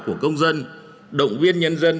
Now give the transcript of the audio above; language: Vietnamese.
của công dân động viên nhân dân